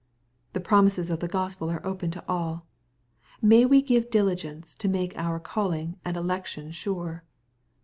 {The promises of the Gospel are open to all. May we give diligence to make our calling and election sure